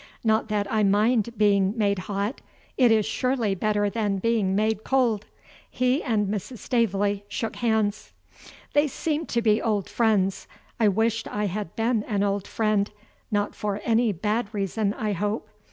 Not that I mind being made hot; it is surely better than being made cold. He and Mrs. Staveley shook hands. They seemed to be old friends. I wished I had been an old friend not for any bad reason, I hope.